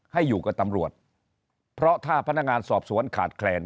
ให้อยู่กับตำรวจเพราะถ้าพนักงานสอบสวนขาดแคลน